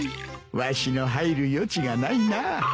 わしの入る余地がないな。